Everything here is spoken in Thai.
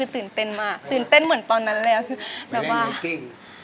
ตื่นเต้นมากจะเล่นไวปิง